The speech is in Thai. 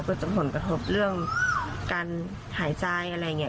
จะผลกระทบเรื่องการหายใจอะไรอย่างนี้